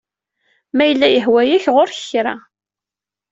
Ma yella yehwa-yak Ɣur-k kra.